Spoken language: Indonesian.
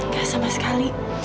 gak sama sekali